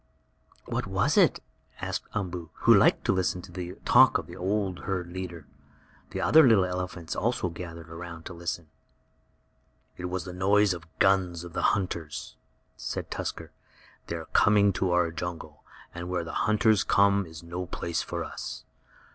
"What was it?" asked Umboo, who liked to listen to the talk of the old herd leader. The other little elephants also gathered around to listen. "It was the noise of the guns of the hunters," said Tusker. "They are coming to our jungle, and where the hunters come is no place for us.